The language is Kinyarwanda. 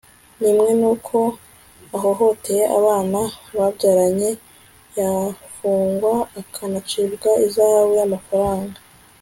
kimwe nuko ahohoteye abana babyaranye yafungwa akanacibwa ihazabu y'amafaranga